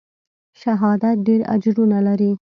شهادت ډېر اجرونه لري.